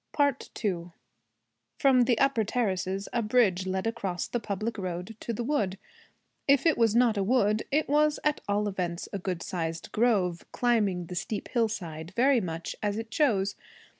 II From the upper terrace a bridge led across the public road to the wood. If it was not a wood it was at all events a good sized grove, climbing the steep hillside very much as it chose.